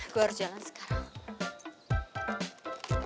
gue harus jalan sekarang